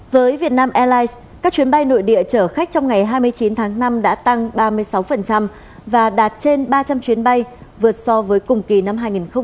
với việt nam airlines các chuyến bay nội địa chở khách trong ngày hai mươi chín tháng năm đã tăng ba mươi sáu và đạt trên ba trăm linh chuyến bay vượt so với cùng kỳ năm hai nghìn một mươi chín